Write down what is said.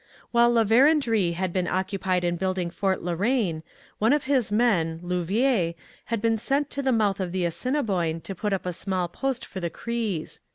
While La Vérendrye had been occupied in building Fort La Reine, one of his men, Louvière, had been sent to the mouth of the Assiniboine to put up a small post for the Crees.